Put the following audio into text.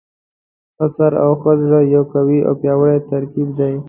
ښه سر او ښه زړه یو قوي او پیاوړی ترکیب دی.